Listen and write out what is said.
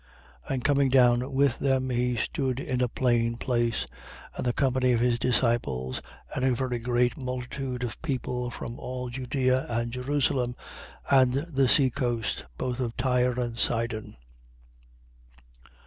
6:17. And coming down with them, he stood in a plain place: and the company of his disciples and a very great multitude of people from all Judea and Jerusalem and the sea coast, both of Tyre and Sidon, 6:18.